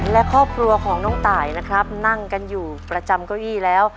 และครอบครัวของน้องตายนะครับนั่งกันอยู่ประจำเก้าอี้แล้ว